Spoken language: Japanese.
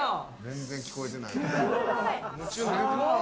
全然聞こえてない。